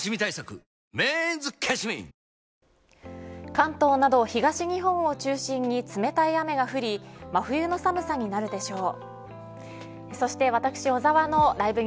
関東など東日本を中心に冷たい雨が降り真冬の寒さになるでしょう。